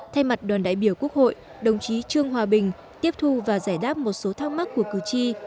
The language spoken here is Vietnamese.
thay mặt đoàn đại biểu quốc hội đồng chí trương hòa bình tiếp thu và giải đáp một số thắc mắc của cử tri